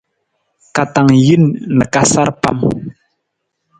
Ka tang jin na ka sar pam.